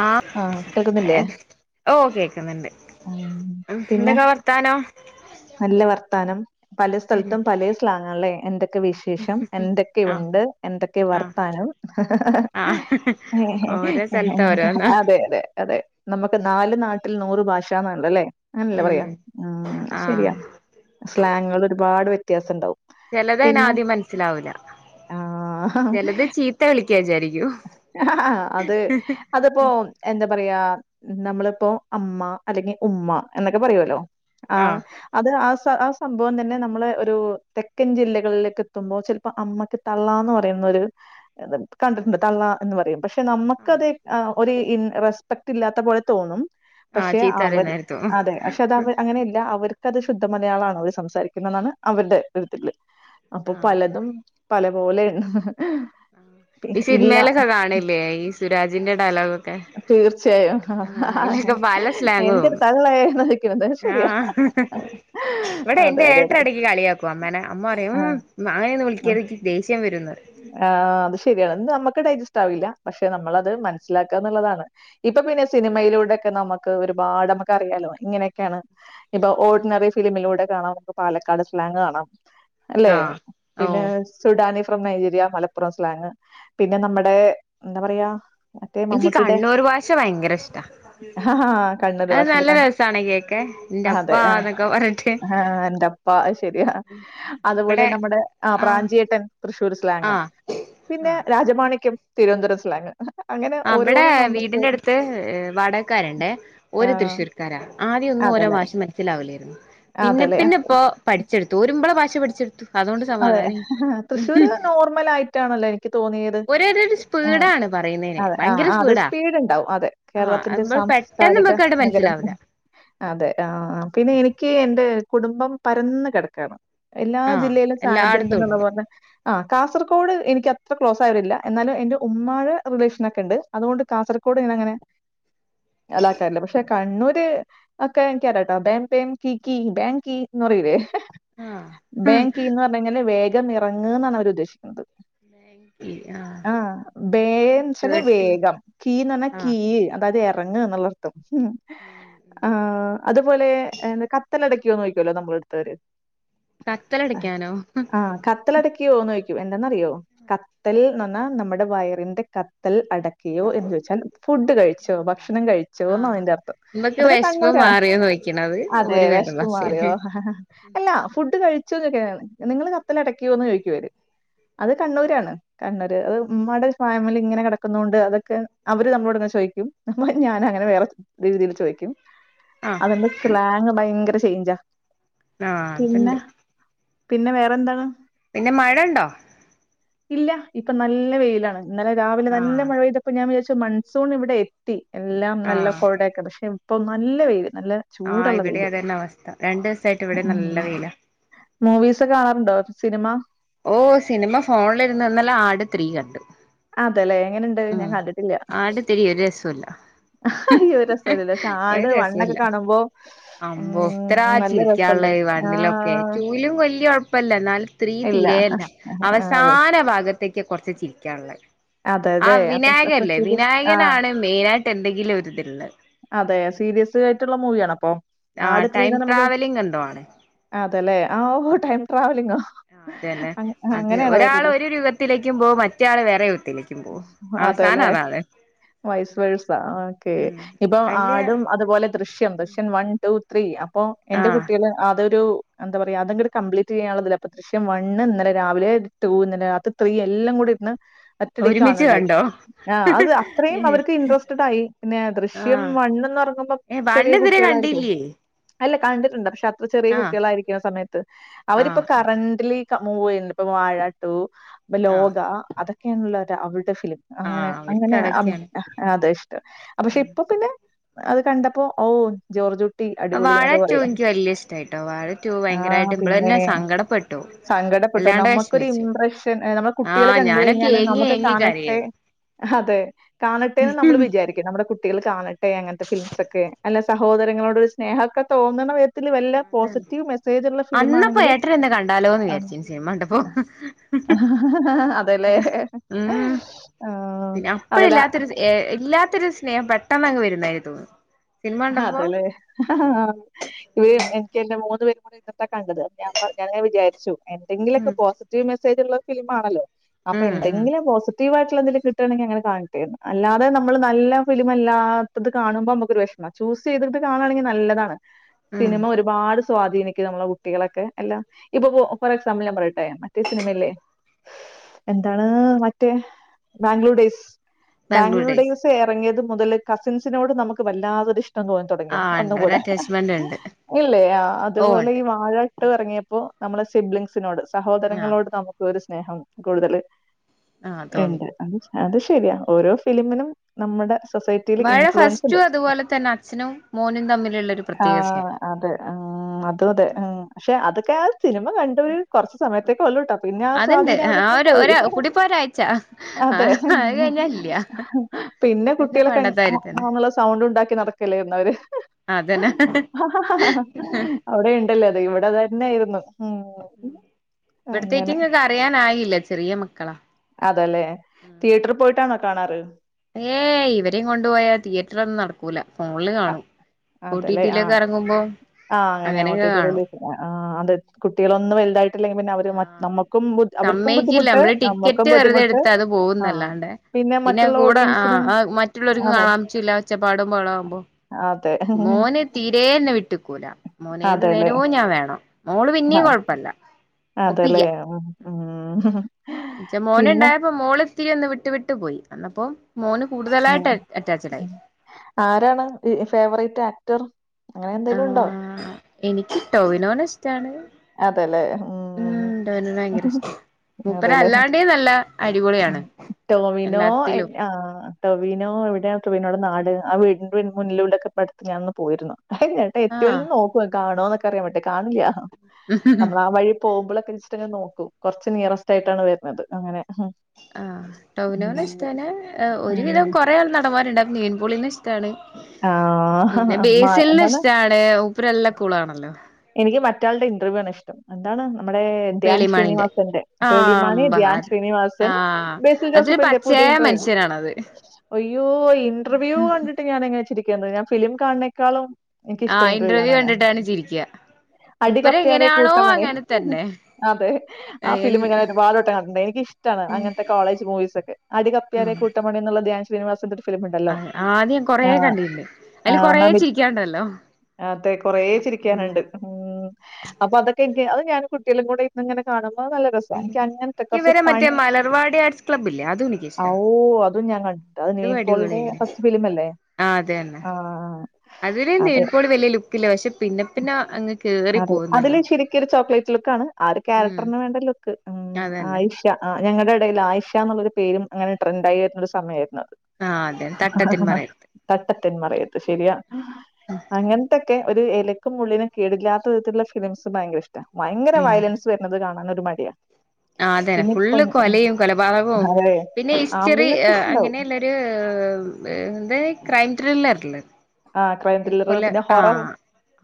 ആഹ് എൻ ഓ കേക്കുന്നുണ്ട് ഉം പിന്നെ എന്തൊക്കാ വർത്താനം നല്ല വർത്താനം പല ഉം സ്ഥലത്തും പല സ്ലാങ്ങല്ലേ എന്തൊക്കെ വിഷം ശേഷം ആഹ് എന്തൊക്കെയുണ്ട് എന്തൊക്കെ ആഹ് വർത്താനംആഹ്ഹ്ഹ് ആഹ് ഓരോ സ്ഥലത്ത് ആഹ്ഹഹ്ഹഹ് ഓരോന്നാ അതെ അതെ അതെ നമുക്ക് നാല് നാട്ടിൽ നൂറ് ഭാഷാന്നുണ്ടല്ലേ അങ്ങനെയല്ലേ ഉം പറയാം ഉം ആഹ് സ്ലാങുകൾ ഒരുപാട് വ്യത്യാസം ഉണ്ടാവും ചിലത് അയിന് പിന്നെ ആദ്യം മനസ്സിലാവൂല്ല ആഹ് ചെലത് ചീത്ത വിളിക്കാ വിചാരിക്കൂആഹ്ഹ് ആഹ് അത് അതിപ്പോ എന്താ പറയാ നമ്മളിപ്പോ അമ്മ അല്ലെങ്കിൽ ഉമ്മ എന്നൊക്കെ പറയോല്ലോ ആഹ് അത് ആ ആ സംഭവം തന്നെ നമ്മള് ഒരു തെക്കൻ ജില്ലകളിലേക്ക് എത്തുമ്പോ ചിലപ്പോ അമ്മക്ക് തള്ളാന്ന് പറയുന്നൊരു ഇത് കണ്ടിട്ടുണ്ട് തള്ള എന്ന് പറയും പക്ഷെ നമ്മക്കത് ഏഹ് ഒര് ഇൻ റെസ് പെക്ട് ഇല്ലാത്ത പോലെ തോന്നും ആഹ് പക്ഷെ ചീത്ത അവർ പറയുന്നേര്ക്കും അതെ പക്ഷെ അത് അങ്ങനല്ല അവർ ക്കത് ശുദ്ധ മലയാളാണ് അവര് സംസാരിക്കുന്നതാണ് അവരുടെ ഒരുരുതില് അപ്പൊ ആഹ് പലതും പല പോലെ ഈ സിന്മേലൊക്കെ കാണില്ലേ ഈ സുരാജിന്റെ ഡയലോഗ് തീർച്ചയായും, പല സ്ലാങ്ങ് എന്തര് തോന്നും തള്ളെന്ന് ചോയിക്ക്ണത് ആഹ് ഇവടെ അതെ, എന്റെ അതെ, അതെ. ഏട്ടനെടക്ക് കളിയാക്കും അമ്മേനെ അമ്മ പറയും ആ, ഉം നായേന്ന് വിളിക്കാതെ ക്ക്‌ ദേഷ്യം വരും ന്നറിയും. ആഹ് അത് ശരിയാണ് അത് നമ്മക്ക് ഡൈജസ്റ്റ് ആവില്ല, പക്ഷെ നമ്മളത് മനസ്സിലാക്കാന്നുള്ളതാണ്. ഇപ്പൊ പിന്നെ സിനിമയിലൂടെക്കെ നമ്മക്ക് ഒരുപാട് നമ്മക്ക് അറിയാലോ ഇങ്ങനെയൊക്കെയാണ് ഇപ്പൊ ഓർഡിനറി ഫിലിമിലൂടെ കാണാം നമുക്ക് പാലക്കാട് സ്ലാങ് കാണാം. അല്ലെ, ആഹ് പിന്നെ ഓഹ് Sudani from Nigeria Malappuram slang പിന്നെ നമ്മടെ എന്താ പറയാ മറ്റേ ഇൻക്ക് മമ്മൂട്ടിയുടെ കണ്ണൂർ ഭാഷ ഭയങ്കര ഇഷ്ട്ടാ. ആ, കണ്ണൂർ അത് ഭാഷയില് നല്ല കൺ രസാണ് കേക്കാൻ ന്റെപ്പാന്നൊക്കെ പറഞ്ഞിട്ട്. വാ അഅ് ശരിയാ അതുപോലെ ഇവിടെ നമ്മടെ ആഹ് പ്രാഞ്ചിയേട്ടൻ തൃ ർ സ്ലാങ് ആഹ് പിന്നെ ആഹ് രാജമാണിക്കം തിരുവന്തര സ്ലാങ്. അങ്ങനെ അവ്വടെ ഓരോന്നും നമുക്ക് വീടിന്റെ അടുത്ത് വാടകക്കാരുണ്ടേ ഓര് ആഹ് തൃശ്ശൂർക്കാരാ ആദ്യം ഒന്നും ഓര അതേല്ലേ ഭാഷ മനസ്സിലാവില്ലാരുന്നു പിന്നെ അതേല്ലേ പിന്നെ ഇപ്പോ പഠിച്ചടുത്തു രുമ്പോള ഭാഷ പഠിച്ചടുത്തു. അതോണ്ട് അതെ സമാധാന ആയി തൃശ്ശൂര് നോർമലായിട്ടാണല്ലോ എനിക്ക് തോന്നിയത്. ഒരേടിടി ഏഹ് പ്പ്ടാണ് പറയുന്നയിന്. അതെ ആഹ് ആഹ് അത് സ്പീഡ് ണ്ടാവും അതെ കേരളത്തിന്റെ നമ്മള് പെട്ടെന്ന് സാംസ്കാരിക നമ്മക്കങ്ങട് നഗരം മനസ്സിലാവൂല അതെ ആഹ് പിന്നെ എനിക്ക് എന്റെ കുടുംബം പരന്ന് കേടക്കാണ് എല്ലാ ആഹ് ജില്ലയിലും എല്ലായിടത്തും ഉണ്ട് അതെ ആഹ് കാസർക്കൊഡ് എനിക്കത്ര ക്ലോസ് ആയവരില്ല എന്നാലും എന്റെ ഉമ്മാഴ റിലേഷനൊക്കെ ണ്ട്. അതുകൊണ്ട് കാസർകോട് ഇങ്ങനെ അങ്ങനെ അലാക്കാറില്ല പക്ഷെ കണ്ണൂര് ഓക്കെ എനിക്കറിയാട്ടോ ബേം പേം കി കി ബേങ് കീ ന്നറയൂല്ലേ. ആഹ് ബേം കീ ന്ന് പറഞ്ഞഴിഞ്ഞാല് വേഗം ഇറങ്ങ് ന്നാണ് അവര് ഉദ്ദേശിക്കുന്നത്. ആഹ് അത് ബേന്ന് ച്ചാല് കേട്ടി വേഗം കീന്ന് പറഞാ ആഹ് കീയ്യ്. അതായത് ഇറങ്ങ് എന്നുള്ളർത്ഥം മ്മ്ഹ് ആഹ്. അതുപോലെ എന്താ കത്തലടക്കോ ന്നോയ്ക്കൊല്ലോ നമ്മളടുത്തവര് കത്തലടക്കാനോ. കത്തൽ അടക്കിയോന്ന് യിക്കും എന്തന്നറിയോ, കത്തൽ നന്നാ നമ്മടെ വയറിന്റെ കത്തൽ അട ക്കിയോ എന്ന് ചോയ്ച്ചാൽ ഫുഡ് കഴിച്ചോ ഭക്ഷണം കഴിച്ചോ ന്നാ അയ്ന്റെ അർത്ഥം. മ്മക്ക് അതൊക്കെ വെഷ്പ് കണ്ണൂരാ മാറിയോന്നൊയ് അതെ വെഷ്പ് മാറിയോ അല്ലാ ഫുഡ് കഴി ച്ചു ന്നൊക്കെയാണ് നിങ്ങള് കത്തലടയ്ക്കോന്ന് ചോയിക്കും അവര് അത് കണ്ണൂരാണ്. കണ്ണൂര് അത് ഉമ്മാടെ ഒരു ഫാമിലി ഇങ്ങനെ കിടക്കുന്നൊണ്ട്, അതൊക്കെ അവര് നമ്മളോട്ങ്ങനെ ചോയിക്കും. നമ്മ ഞാനങ്ങനെ വേറെ രീതിയിൽ ചോയ്ക്കും. ആഹ് അവര്ന്റെ സ്ലാങ് ഭയങ്കര ചെയിഞ്ചാ. ആഹ് ത്ണ്ട്. പിന്നെ വേറെ ന്താണ്? പിന്നെ മഴ ണ്ടോ? ഇല്ല ഇപ്പൊ നല്ല വെയിലാണ് ഇന്നലെ രാവിലെ നല്ല ആഹ് മഴ പെയ്തപ്പോ ഞാൻ വിചാരിച്ചു മൺ സൂൺ ഇവിടെ എത്തി എല്ലാം നല്ല ആഹ് കോടയൊക്കെ പക്ഷെ ഇപ്പൊ നല്ല വെയില് നല്ല ആഹ് ചൂടുള്ള ഇവിടേം വെയില്. അതന്നെ അവസ്ഥ, രണ്ടു സായിട്ട് ഇവിടേം ഉം. നല്ല വെയിലാ. മൂവീസ് ഒക്കെ കാണാറുണ്ടോ? സിനിമ. ഓഹ് സിനിമ ഫോണിലിരുന്ന് ഇന്നലേ ആട് ത്രീ കണ്ടു. അതെല്ലേ. എങ്ങനെണ്ട്? ഞാൻ ആഹ് കണ്ടിട്ടില്ല. ആട് ത്രീ ഒര് രസുല്ല. അയ്യോ രസല്ലല്ലോ. പക്ഷെ ഒര് ആട് മണ്ണൊക്കെ രസുല്ല കാണുമ്പോ അമ്പോ എത്രാ മ്മ് നല്ല ചിരിക്കാള്ളെ രസല്ലേ? വ [unintelligible] ക്കെ ആഹ് ടൂവിലും വല്യ കൊഴപ്പല്ല എന്നാലും ത്രീ ഇല്ല. തീരേ ല്ല ആഹ് അതെ. അവസാന ഭാഗ ത്തക്ക് കൊറച്ച് ചിരിക്കാള്ളെ ആ അതെല്ലേ? അപ്പൊ സ് വിനായകൻ അപ്പൊ ഇല്ലേ സീരിയസ് ആഹ് വിനായകനാണ് മെയിനായിട്ടെന്തെങ്കിലും ഒരിത്ള്ളെ. അതെ സീരിയസ് ആയിട്ടുള്ള മൂവിയാണ അപ്പൊ? ആഹ്, ടൈം ട്രാവലിംങ് എന്തോ ആണ് അതെല്ലെ ആഹ് ഓ ടൈം ട്രാവലിങ്ങോ അതെല്ലേ അത് ഒരാള് ഒരു യുഗത്തിലേക്കും പോകും മറ്റെയാള് വേറെ യുഗത്തിലേക്കും പോവും അവസാനം അതാല് വയസ് വയസാ ഓക്കെ ഇപ്പൊ ഇപ്പം വല്യ ആടും അതുപോലെ Drishyam Drishyam one two three അപ്പൊ എന്റെ ആഹ് കുട്ടിഅള് അതൊരു എന്താ പറയാ അതങ്ങട് കംപ്ലീറ്റെയ്യാനുള്ളതില് അപ്പൊ ദൃശ്യം വണ്ണ് ഇന്നലെ രാവിലെ ടു ഇന്നലെ രാത്രി ത്രീ എല്ലം കൂടി ഇരുന്ന് ഒറ്റടിക്ക് ഒരുമിച്ച് കാണണ്ടായി കണ്ടോ ആഹ് അത് അത്രയും ഏഹ് അവർക്ക് ഇൻട്രസ്റ്റ്ഡ് ആയി പിന്നെ ദൃശ്യ ദൃശ്യം ആഹ് വണ്ണന്ന് ഇറങ്ങുമ്പം ഏ ചെറിയ വണ്ണിതുവരെ കുട്ടികളായിരിക്കും കണ്ടില്ലേ അല്ല കണ്ടിട്ടുണ്ട് പക്ഷെ അത്ര ചെറിയ ആഹ് കുട്ടികളായിരിക്കുന്ന സമയത്ത് അവരിപ്പം ആഹ് കറന്റ്ലി പ്പോ മൂവ് ചെയ്യുണ്ട് ഇപ്പൊ വാഴാ ടു ആഹ് പ്പോലോകാ അതൊക്കെയാണെല്ലോ അവരുടെ ഫിലിം അങ്ങനെ ആഹ് അവർക്ക് അങ്ങനെ അപ് അതൊക്കെയാണ് അതെ ഇഷ്ടം അ പക്ഷെ ഉം പിന്നെ അത് കണ്ടപ്പോ ഓ ജോർജ് വാഴ ടൂ എനിക്ക് വലിയ ഇഷ്ട്ടായിട്ടോ വാഴ ടൂ ആ ഭയങ്കരായിട്ട് പിന്നെ ഇമ്പളെന്നെ സങ്കടപ്പെട്ടു സങ്കടപ്പെട്ടു വല്ലാണ്ട് നമുക്കൊരു വിഷമിച്ചു ഇംപ്രഷൻ നമ്മുടെ കുട്ടികള് ആഹ് കണ്ട് ഞാനൊക്കെ കഴിഞ്ഞാല് ഏങ്ങി നമുക്ക് ഏങ്ങി കാണട്ടെ കരയായിരുന്നു ഹതെ കാണട്ടേന്ന് നമ്മള് വിചാരിക്കും നമ്മുടെ കുട്ട് കുട്ടികൾ കാണട്ടെ അങ്ങനത്തെ ഫിലിംസ് ഒക്കെ അല്ല സഹോദരങ്ങളോടൊര് സ്നേഹൊക്കെ തോന്നണെ ത്തില് വല്ല അതാണ് പോസിറ്റീവ് മെസേജ് ഉള്ള ഫിലിം അന്നപ്പോ ആണെങ്കില് ഏട്ടൻ എന്നെ കണ്ടാലോന്ന് ആഹ് വിചാരിച്ചു സിനിമ കണ്ടപ്പോ [inaudible] ഉം പിന്നെ അതെടാ അപ്പഴില്ലാത്തൊര്ഏഹ് ഇല്ലാ ത്തൊര് സ്നഹം പെട്ടെന്ന് അങ്ങ് വരുന്നതായി തോന്നും ഹതേല്ലേ ഇവ എനിക്ക് എന്റെ മൂന്ന് പേരും കൂടി ഇരുന്നിട്ടാ കണ്ടത് ഞപർ ഞാന് ഇങ്ങനെ വിചാരിച്ചു എന്തെങ്കിലൊക്കെ ഉം പോസി പോസിറ്റീവ് മെസേജ് ഉള്ള ഫിലിം ആണല്ലോ അപ്പം ഉം ഉം എന്തെങ്കിലും പോസി റ്റീവായിട്ടുള്ള എന്തേലും കിട്ടാണെങ്കി അങ്ങനെ കാണട്ടെ അല്ലാതെ നമ്മള് നല്ല ഫിലിമല്ലാത്തത് കാണുമ്പം നമുക്കൊരു വഷ് എന്ന ചൂസ് ചെയ്തിട്ട് കാണാണെങ്കി നല്ലതാണ് ഉം സിനിമ ഒര് ഒരുപാട് സ്വാധീനിക്കും നമ്മളെ കുട്ടികളെക്കെ എല്ലാ ഇപ്പപ്പോ ഫോർ എക്സാമ്പിൾ ഞാൻ പറയട്ടേ മറ്റേ സിനിമയില്ലേ എന്താണ് മറ്റേ ബാംഗ്ലൂർ ഡേയ്സ് ബാംഗ്ലൂർ ഡേയ്സ് സ് ഇറങ്ങിയത് മുതല് കസിൻസിനോട് നമുക്ക് വല്ലതൊര് ഇഷ്ടം തോന്നി തുടങ്ങി ആഹ് ഒന്നും ഉണ്ട് ഒരു കൂടെ അറ്റാച്ച്മെന്റ് ഉണ്ട് ഇല്ലേ ആഹ് ഓഹ് അതേപോലെ ഈ ഉണ്ട് വാഴ ടു ഇറങ്ങിയപ്പോ നമ്മളെ സിബ്ലിംഗ്സിനോട് ആഹ് സഹോദരങ്ങളോട് നമുക്ക് ഒര് സ്നേഹം കൂടുതല് ആഹ് തോന്നി ഇണ്ട് അത് ശരിയാ ഓരോ ഫിലിമിനും നമ്മുടെ സൊസൈറ്റിയില് വാഴ ഇൻഫ്ലുവൻസ് ഉണ്ട്. ഫസ്റ്റും അതുപോലെ തന്നെ അച്ഛനും മോനും തമ്മിലുള്ളൊരു പ്രത്യേക ആഹ് സ്നേഹം അതെ ആഹ് അതും അതെ ഉം പക്ഷെ അതൊക്കെ ആ സിനിമ കണണ്ട് ഒര് കുറച്ച് ച്ച് സമയത്തേക്കെ ഉള്ളൂട്ടാ പിന്നെ ആ അത്ണ്ട് സ്വാധീനം ആ അവലര്തന്ന് ഒരു പോയി ഒരാ കൂടിപ്പോയ ഒരാഴ്ച അതെ ആഹ് അത് കഴിഞ്ഞാ ഇല്ല പിന്നെ കുട്ടികളൊക്കെ വേണ്ടാത്താരി തന്നെ [inaudible] സൗണ്ട് ഉണ്ടാക്കി ക്കി നടക്കല്ലാരുന്നോ അവര് അതന്നെ അവിടെ ഇണ്ടല്ലോ അത് ഇവിടെ തന്നെയായിരുന്നു ഉം അങ്ങനെ. ഇവിടത്തേക്കും ഇങ്ങൾക്ക് അറിയാനായില്ല ചെറിയ മക്കളാ അതേല്ലെ തിയറ്ററി പോയിട്ടാണോ കാണാറ് ഏയ് ഇവരെയും കൊണ്ടുപോയാ തിയേറ്റർ ഒന്നും നട ക്കൂല ഫോണ്ല് അ കാണും അതല്ലേ. ആ. ഓട്ടിപിയിലൊക്കെറങ്ങുപോ അങ്ങനെ കാണൂ ആഹ് അത് കുട്ടികളൊന്ന വൽതായിട ട്ടില്ലെങ്കിപിന്നവര് മട്ട് ആഹ് നമ്മുക്കുംബു അവർക്കും സമ്മയിക്കില്ല ബുദ്ധിമുട്ട് നമ്മള് നമുക്കും ടിക്കറ്റ് വെറുതെ ബുദ്ധിമുട്ട് എടുത്ത് അത് ആഹ് പോകുന്നല്ലാണ്ടെ പിന്നെ മറ്റുള്ള ഓഡിയൻസിനും അതെ ച്ചപ്പാടും ബഹളോ ആഉമ്പോ അതെ മോന് തീരെ ന്നെ വിട്ട്ക്കൂല അതെല്ലേ. മോനേതനേരവും ഞാവേണം മോള് പിന്നിം കൊഴപ്പല്ല അതല്ലേ മ് ഇന്റെ മോനുണ്ടായപ്പോ മോളത്തിരി ന്ന് വിട്ടു വിട്ടു പോയി അന്നപ്പോ മോന് കൂടുതലായിട്ട് അറ്റാച്ഡായി ആരാണ ഫേവറേറ്റ് ആക്ടർ അങ്ങനെ എന്തേലും ഉണ്ടോ എനിക്കി ട്ടോവിനോനഷ് റ്റാണ് അതെല്ലേ. ഉം. മ് ടോവിനോനെ ഭയങ്കര ഇഷ്ട മൂപ്പര അതെല്ലേ. അല്ലാണ്ടേ നല്ല അടിപൊളിയാണ് ടോവിനോ എല്ലാത്തിലും എഹ് ആഹ് ടൊവിനോ എവിടെ ടൊവീനോടെ നാട് ആ വീടി മുന്നിലൂടെക്കെ പ്പ ട്ത്ത് ഞാൻന്ന് പോയിരുന്നു ആഹ് എത്യോന്ന് നോക്കു കാണോ എന്നൊക്കെ അറിയാ വേണ്ടി കാണില്ല നമ്മളാ ആവഴി പോകുമ്പളൊക്കെ ജസ്റ്റ്‌ അങ്ങനെ നോക്കു കൊർച്ച് നിയറസ്റ്റയിട്ടാണ് വരുന്നത് അങ്ങനെ ആഹ് ടൊവിനോനെ ഉം. ഇഷ്റ്റാണ് ഒരു ഉം. വിധം കൊറെ ആൾ നടമാര്ണ്ട മെ പൊളിനെ ഇഷ്ടാണ് ആഹ്. പിന്നെ അമ്മാ ബേസിൽനെ എന്താണ്? ഇഷ്ടാണ് മൂപ്പരല്ല ക്കൂളാണല്ലോ എനിക്ക് മറ്റാളുടെ ഇന്റർവ്യൂ ആണ് ഇഷ്ടം എന്താണ് നമ്മടെ ദ്യാൻ പേളിമാണിന്റെ ശ്രീനിവാസന്റെ ആഹ് പേളിമാണി അമ്പ ദ്യാൻ ശ്രീനിവാസൻ ആഹ് ബേസിൽ അതൊരു ജോസഫിന്റെ പുത്യ പച്ചയായ ഇന്ട്രെ മനുഷ്യനാണത് അയ്യോ ഇന്റർവ്യൂ കണ്ടിട്ട് ഞാൻ എങ്ങനെ ചിരിക്കിന്നെ ഞാൻ ഫിലിം കാണിനേക്കാളും എൻക്ക് ഇഷ്ടം ഇന്റർവ്യൂ കാണാന ഇരിക്യ അടികപ്പിയാരെ കൂട്ട മണി തന്നെ അത് ആ എ ഫിലിം ഞാൻ ഒരുപാടട്ടം കണ്ട്ട്ട് എനിക്കി ഇഷ്ടാണ് ഉം അങ്ങൻത്തെ കോളേജ് മൂവീസൊക്കെ അടി കപ്പ്യാരെ കൂട്ടം പണിന്ന്ള്ള ദ്യാൻ ശ്രീനിവാസന്റെ ഫിലിമുണ്ടല്ലോ. ആഹ് ആദ്യാൻ കൊറെ ആ കണ്ടിനി അതില് കൊറേ ചിരിക്കാണ്ടല്ലോ ആതേ കുറേ ചിരി ഉം ക്ക്യാന്ണ്ട് അപ്പൊ അതൊക്കെ എൻക്ക് അത് ഞാനും കുട്യളും കൂടെ ഇര്ന്നിങ്ങനെ കാണുമ്പോ നല്ല രസ് ഉം ഇൻക്കങ്ങൻത്തെ കൊർച്ച് ഇവരെ പ മറ്റേ മലർവാടി ആർട്സ് ക്ലബ്ബില്ലേ അതും എനിക്കിഷ്ടാ ഓഹ് അതും ഞാൻ കണ് അത് നിവിൻ പോളിടെ ഫസ്റ്റ് ഫിലിം അല്ലേ ആഹ് അതെ തന്നെ അതില് അത് നിവിൻപോളി വല്യ ലുക്കില്ല പഷെ പിന്നെ പിന്നെ അങ്ങ് കേറി അതെ പോകുന്നല്ലോ അതില് ശരിക്കൊര് ചോക്ലേറ്റ് ലുക്ക് ആണ് ആ ഒരു ഉം കാരക്ടറിന് വേണ്ട ലുക്ക് മ് അതന്നെ ആ ഞങ്ങടെ ഇടയിൽ ആയിഷ എന്നുള്ളരു പേരും അങ്ങനെ ട്രൻഡ് ആയി വരുന്ന സമയമായിരുന്നു അത് ആ അതെ തട്ടത്തിൻ മറയത്ത് തട്ടത്തിൽന്മറയത് ശരിയാ അങ്ങനത്തൊക്കെ ഒരു ഇലക്കും മുള്ളിനും കേടില്ലാത്ത വിധത്തിലുള്ള ഫിലിംസ് ഭയങ്കര ഇഷ്ട ഭയങ്കര ഉം വയലൻസ് സ് വരുന്നത് കാണാനൊരു മടിയാ ആഹ് അതെ പിന്നെ ഇപ്പം ഫുള്ള് കൊലയും കൊലപാതകവും അതെ. പിന്നെ ഹിസ്റ്ററി ആമ്പിള്ളേർക്കൊക്കെ ഉണ്ടാവും. അങ്ങനെയല്ല എന്താ ക്രൈം ട്രില്ലർ ഇല്ലേ ആ ക്രൈം ത്രില്ലർ [unintelligible] പിന്നെ ഹൊറർ. ആഹ്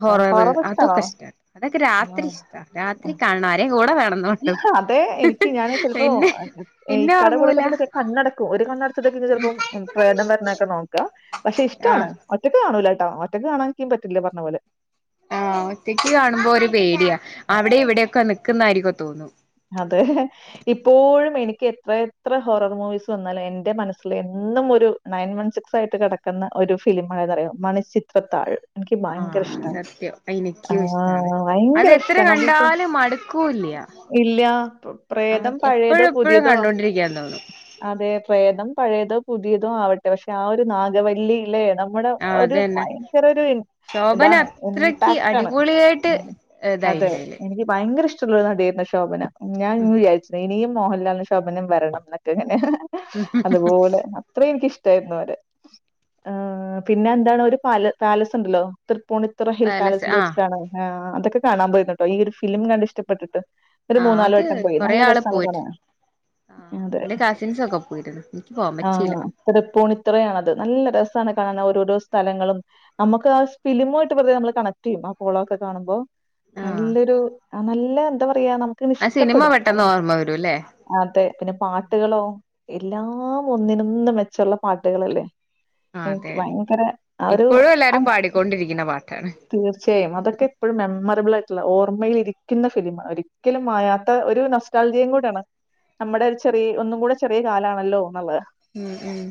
ഹൊററ് ഹൊറർ ഇഷ്ടാണോ? അതൊക്കെ ഇഷ്ട അതൊക്കെ രാത്രി ആ. ഇഷ്ട രാത്രി കാണ ആരേ കൂടെ വേണെന്നൊള്ളു തെ എനിക്ക് ഞാന് ചെലപ്പോ പിന്നെ ഇക്കാടെ ഉറങ്ങൂല കൊടുക്കുന്നൊക്കെ കണ്ണടക്കും ഒരു കണ്ണടചതൊക്ക ചിലപ്പം പ്രേതം വര്നൊക്കെ നോക്ക പഷെ ആ ഇഷ്ടാണ് ഒറ്റയ്ക്ക് കാണൂലട്ടോ ഒറ്റയ്ക്ക് കാണാൻ ഇൻക്യും പറ്റില്ല ഇ പർഞ്ഞ പോലെ ആഹ് ഒറ്റക്ക് കാണുമ്പോ ഒരു പേടിയാ അവിടെ ഇവിടെക്കെ നിക്കുന്നായിരിക്കോ തോന്നു അതെ ഇപ്പോഴും എനിക്ക് എത്ര എത്ര ഹോറർ മൂവീസ് വന്നാലും എന്റെ മനസ്സില് എന്നും ഒരു നയൻ വൺ സിക്സ് ആയിട്ട് കെടക്കുന്ന ഒരു ഫിലിം ഏതാറിയോ മണിചിത്രത്താഴ് ആഹ് സത്യം. എനിക്കും ഇഷ്ടാണ്. അത് ഭയങ്കര എത്ര ഇഷ്ടമാണ് അത് ഇപ്പൊ കണ്ടാലും മടുക്കൂല്ല. ഇല്ല പ്രേ ആഹ് പ്രേതം പഴയതോ എപ്പഴും എപ്പഴും പുതിയതോ? കണ്ടോണ്ടിരിക്കാൻ തോന്നും അതെ പ്രേതം പഴയതോ പുതിയതോ ആവ പക്ഷെ ആഹ് ഒരു നാഗവല്ലില്ലേ നമ്മുടെ ആഹ് ഒരു അതന്നെ ഭയങ്കര ഒരു ശോഭന ഇതാണ് അത്രക്ക് ഇംപാക്ടാണ്. അടിപൊളിയായിട്ട് ഉം അതെ ഇതായിണ്ട് അയില് എനിക്ക് ഭയങ്കര ഇഷ്ടൊള്ളൊരു നടിയായിരുന്നു ശോഭന. ഞാൻ ഇന്ന് വിചാരിച്ചു ഇനിയും മോഹൻലാലും ശോഭനയും വരണം എന്നൊക്കെ ഇങ്ങനെ. അതുപോലെ അത്രയും എനിക്കിഷ്ടായിരുന്നു അവരെ. ഏഹ് പിന്നെ എന്താണ് ഒരു പാല പാലസ് ഉണ്ടല്ലോ. തൃപ്പൂണി ത്തറ ഹിൽ പാലസ് പാലസിൽ ആഹ് വച്ചിട്ടാണ്. ആഹ് അതൊക്കെ കാണാൻ പോയിരുന്നൂട്ടോ. ഈ ഒരു ഫിലിം കണ്ട് ഇഷ്ടപ്പെട്ടിട്ട്. ഒരു ആഹ് അത് വട്ടം പോയി. കൊറേ നല്ല ആള് രസാണ് പോയിട്ട് കാണാൻ. ആഹ് അതെ. എന്റെ കസിൻസൊക്കെ പോയിരുന്നു. എനിക്ക് പോവാൻ പറ്റിയില്ല. തൃപ്പൂണിത്തറയാണത്. നല്ല രസാണ് കാണാൻ ഓരോരോ സ്ഥലങ്ങളും. നമുക്ക് ആഹ് ഫിലിമായിട്ട് അപ്പഴത്തേ കണക്ട് ചെയ്യും. ആഹ് കുളം ഒക്കെ കാണുമ്പോ. ആഹ് നല്ലൊരു നല്ല എന്താ പറയാ നമുക്ക് ഇങ്ങനെ ആ സിനിമ ഇഷ്ടപ്പെടും. പെട്ടെന്ന് അതെ ഓർമ്മ വരൂല്ലേ അതെ. പിന്നെ പാട്ടുകളോ. എല്ലാം ഒന്നിനൊന്ന് മെച്ചമുള്ള പാട്ടുകളല്ലേ. [inaudible] അതെ എനിക്ക് അതെ ഭയങ്കര ആഹ് ഒരു ഇപ്പോഴും എല്ലാരും ആഹ് പാടിക്കൊണ്ടിരിക്കുന്ന പാട്ടാണ് തീർച്ചയായും. അതൊക്കെ എപ്പഴും മെമ്മറബിൾ ആയിട്ടുള്ള ഓർമ്മയിലിരിക്കുന്ന ഫിലിമാ ഒരി ക്കലും മായാത്ത ഒരു നൊസ്റ്റാൾജിയയും കൂടെ ആണ്. നമ്മുടെ ഒരു ചെറി ഒന്നും കൂടെ ചെറിയ കാലാണല്ലോ എന്നുള്ളത്. ഉം ഉം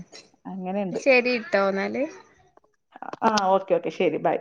അങ്ങനെയുണ്ട്. ശരിട്ടോ എന്നാല്. ആഹ് ഓക്കെ ഓക്കെ ശരി ബൈ.